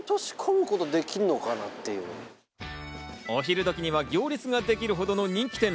お昼時には行列ができるほどの人気店。